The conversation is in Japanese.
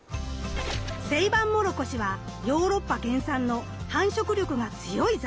セイバンモロコシはヨーロッパ原産の繁殖力が強い雑草。